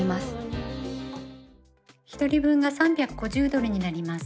１人分が３５０ドルになります。